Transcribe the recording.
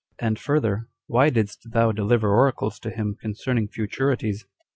And further, why didst thou deliver oracles to him concerning futurities?